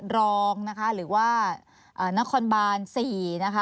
รองนะคะหรือว่านครบาน๔นะคะ